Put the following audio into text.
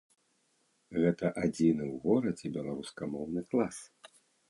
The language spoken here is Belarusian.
Гэта адзіны ў горадзе беларускамоўны клас.